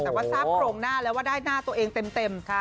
แต่ว่าทราบโครงหน้าแล้วว่าได้หน้าตัวเองเต็ม